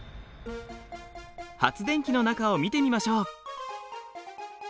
発電機の中を見てみましょう。